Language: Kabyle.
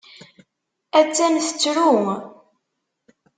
Attan tettru.